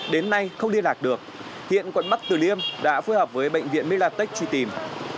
đến nay không liên lạc được hiện quận bắc từ liêm đã phối hợp với bệnh viện melatech truy tìm